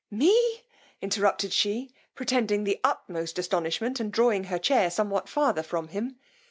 Me! interrupted she, pretending the utmost astonishment, and drawing her chair somewhat farther from him.